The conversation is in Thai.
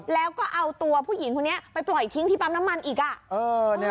แล้วก็เอาตัวผู้หญิงคนนี้ไปปล่อยทิ้งที่ปั๊มน้ำมันอีกอ่ะ